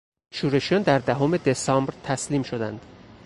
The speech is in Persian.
شورشیان در دهم دسامبر تسلیم شدند.